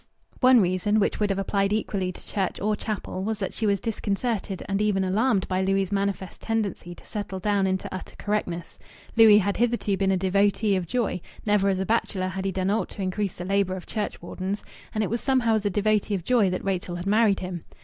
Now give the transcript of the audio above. One reason, which would have applied equally to church or chapel, was that she was disconcerted and even alarmed by Louis' manifest tendency to settle down into utter correctness. Louis had hitherto been a devotee of joy never as a bachelor had he done aught to increase the labour of churchwardens and it was somehow as a devotee of joy that Rachel had married him.